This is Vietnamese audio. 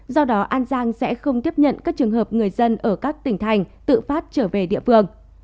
do đó an giang sẽ không tiếp nhận các trường hợp người dân ở các tỉnh thành tự phát trở về địa phương